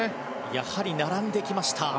やはり並んできました。